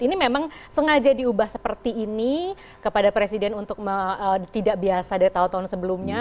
ini memang sengaja diubah seperti ini kepada presiden untuk tidak biasa dari tahun tahun sebelumnya